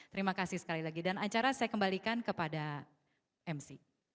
terima kasih sekali lagi dan acara saya kembalikan kepada mc